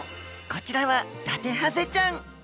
こちらはダテハゼちゃん。